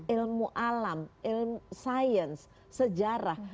ilmu alam ilmu sains sejarah